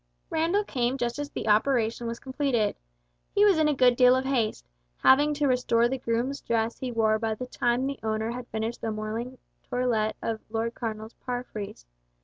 Randall came just as the operation was completed. He was in a good deal of haste, having to restore the groom's dress he wore by the time the owner had finished the morning toilet of the Lord Cardinal's palfreys.